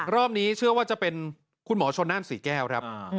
รอบนี้เชื่อว่าจะเป็นคุณหมอชนนั่นศรีแก้วครับ